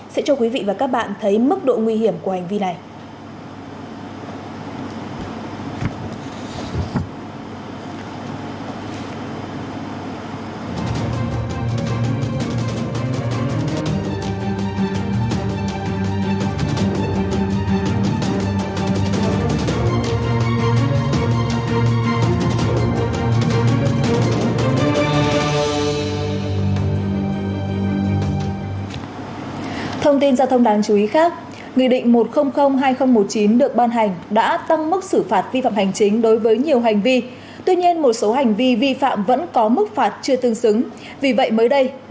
sẽ cho quý vị và các bạn thấy mức độ nguy hiểm của hành vi này